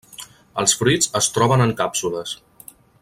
Els fruits es troben en càpsules.